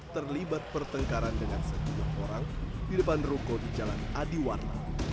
terlibat pertengkaran dengan sejumlah orang di depan ruko di jalan adiwarna